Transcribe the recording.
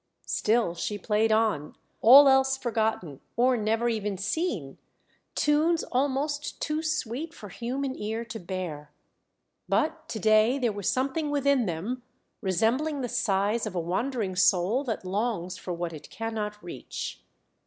Still she played on, all else forgotten or never even seen, tunes almost too sweet for human ear to bear. But to day there was something within them resembling the sighs of a wandering soul that longs for what it cannot reach.